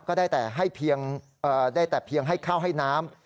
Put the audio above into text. ก็ได้แต่ให้เพียงได้แต่เพียงให้ข้าวให้น้ำ